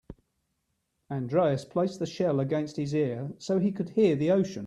Andreas placed the shell against his ear so he could hear the ocean.